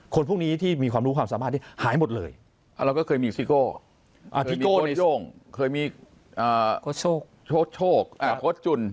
คนพวกนี้ที่มีความรู้ความสามารถที่หายหมดเลยอ่าเราก็เคยมีอ่ามีโค้ชโชคโค้ชโชคอ่าโค้ชจุน